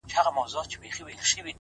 • ځوان په لوړ ږغ ـ